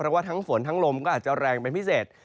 เพราะว่าทั้งฝนทั้งลมก็อาจจะแรงเป็นพิเศษ